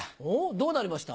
どうなりました？